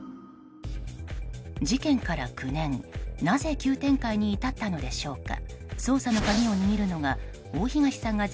事件から９年、なぜ急展開に至ったのでしょうか。